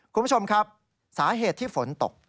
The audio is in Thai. คุณผู้ชมครับสาเหตุที่ฝนตก